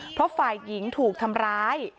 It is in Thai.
เพราะฝ่ายหญิงถูกทำร้าย